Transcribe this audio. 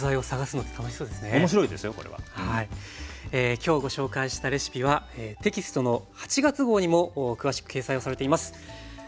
今日ご紹介したレシピはテキストの８月号にも詳しく掲載をされています。